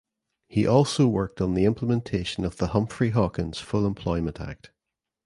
He also worked on implementation of the Humphrey–Hawkins Full Employment Act.